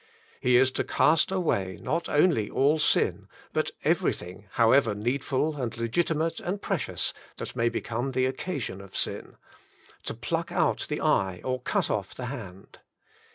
He is to cast away not only all sin, but everything, however needful and legitimate and precious, that may become the occasion of sin ; to pluck out the eye, or cut off the hand.